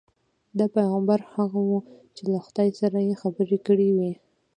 دا پیغمبر هغه وو چې له خدای سره یې خبرې کړې وې.